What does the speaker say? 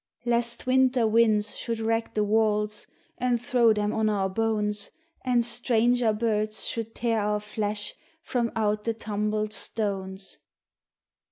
"Lest winter winds should wreck the walls and throw them on our bones, And stranger birds should tear our flesh from out the tumbled stones.